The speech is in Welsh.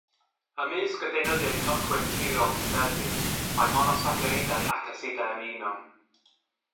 Ymysg y deunyddiau cychwyn cirol cyffredin mae monosacaridau ac asidau amino.